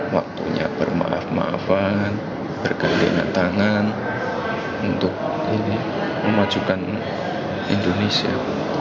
waktunya bermaaf maafan bergalingan tangan untuk memajukan indonesia